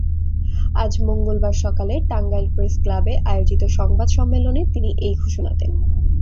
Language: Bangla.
আজ মঙ্গলবার সকালে টাঙ্গাইল প্রেসক্লাবে আয়োজিত সংবাদ সম্মেলনে তিনি এ ঘোষণা দেন।